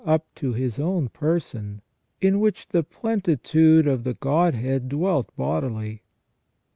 319 up to His own Person, in which "the plentitude of the Godhead dwelt bodily